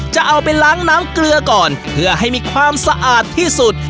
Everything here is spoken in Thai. จะเอาไปล้างน้ำเกลือก่อนเพื่อให้มีความสะอาดที่สุด